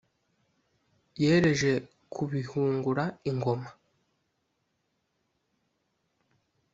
Yereje kubihungura ingoma.